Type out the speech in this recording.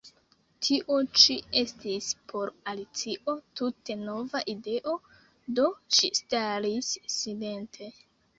Tio ĉi estis por Alicio tute nova ideo; do ŝi staris silente.